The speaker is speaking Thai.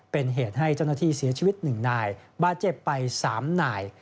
เป็นเหตุให้เจ้าหน้าที่เสียชีวิต๑นายบาดเจ็บไป๓นาย